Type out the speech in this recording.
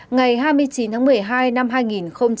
ngày hai mươi chín tháng một mươi hai năm hai nghìn hai mươi ba